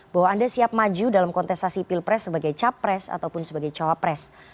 bahwa anda siap maju dalam kontestasi pilpres sebagai capres ataupun sebagai cawapres